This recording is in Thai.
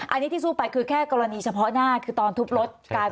อันนี้ที่สู้ไปคือแค่กรณีเฉพาะหน้าคือตอนทุบรถกัน